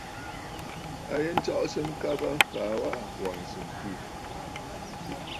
A yi nstsɔʼɔ ŋkabə kaa waʼà wàŋsə̀ ǹtu.